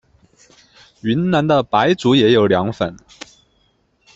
云南的白族也有凉粉。